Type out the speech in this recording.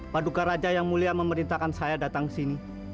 paduka raja yang mulia memerintahkan saya datang ke sini